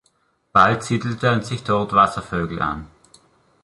Bald siedelten sich dort Wasservögel an.